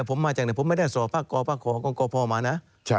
ผมมาจากไหนผมไม่ได้สอบภาคกภาคของกพมานะ